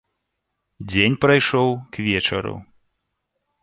Дзень прайшоў к вечару.